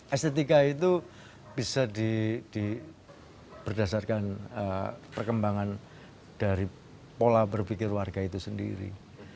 estetika itu bisa berdasarkan perkembangan dari pola berpikir warga itu sendiri